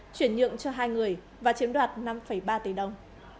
chuyển nhượng cho hai người và chiếm đoạt năm ba tỷ đồng